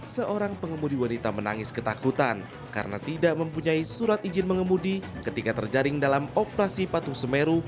seorang pengemudi wanita menangis ketakutan karena tidak mempunyai surat izin mengemudi ketika terjaring dalam operasi patung semeru